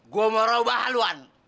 gua mau rawba haluan